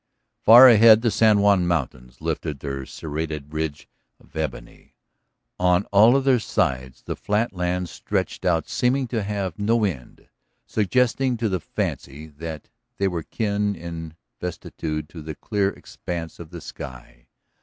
Far ahead the San Juan mountains lifted their serrated ridge of ebony. On all other sides the flat lands stretched out seeming to have no end, suggesting to the fancy that they were kin in vastitude to the clear expanse of the sky.